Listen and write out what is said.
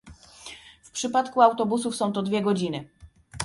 W przypadku autobusów są to dwie godziny